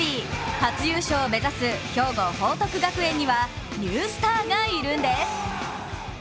初優勝を目指す兵庫・報徳学園にはニュースターがいるんです。